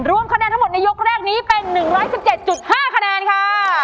รวมคะแนนทั้งหมดในยกแรกนี้เป็น๑๑๗๕คะแนนค่ะ